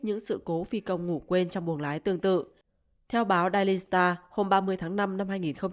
những sự cố phi công ngủ quên trong buồng lái tương tự theo báo daily star hôm ba mươi tháng năm năm